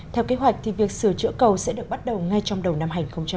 theo kế hoạch việc sửa chữa cầu sẽ được bắt đầu ngay trong đầu năm hai nghìn hai mươi